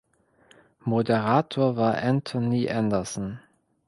Moderator war Anthony Anderson.